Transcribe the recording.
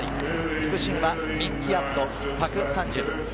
副審はミンキアット、パク・サンジュン。